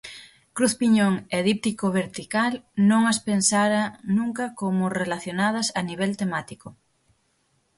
Cruz Piñón e Díptico vertical non as pensara nunca como relacionadas a nivel temático.